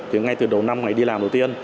thì ngay từ đầu năm ngày đi làm đầu tiên